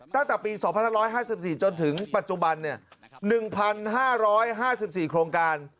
ตั้งแต่ปี๒๕๕๔จนถึงปัจจุบัน๑๕๕๔โครงการ